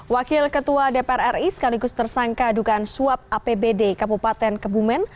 wakil ketua dpr ri sekaligus tersangka dugaan suap apbd kabupaten kebumen